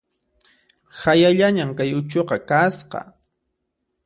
Hayallañan kay uchuqa kasqa